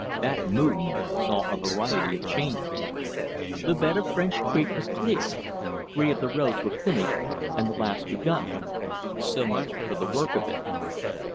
That moon saw a variety of changes. The bed of French Creek was cleared. Three of the roads were finished, and the last begun. So much for the work of it.